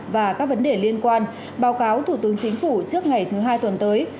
và các vấn đề liên quan báo cáo thủ tướng chính phủ trước ngày thứ hai tuần tới